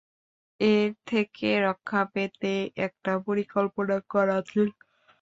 এর থেকে রক্ষা পেতে একটা পরিকল্পনা করা ছিল।